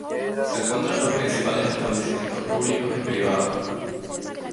Se encuentran los principales establecimientos públicos y privados.